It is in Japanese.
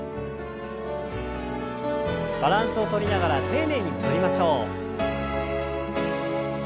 バランスをとりながら丁寧に戻りましょう。